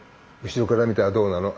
後ろから見たらどうなの？